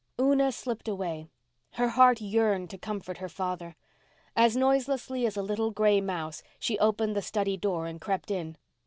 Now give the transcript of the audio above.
Una slipped away. Her heart yearned to comfort her father. As noiselessly as a little gray mouse she opened the study door and crept in.